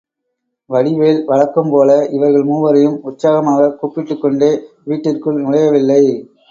வடிவேல் வழக்கம் போல இவர்கள் மூவரையும் உற்சாகமாகக் கூப்பிட்டுக்கொண்டே வீட்டிற்குள் நுழையவில்லை.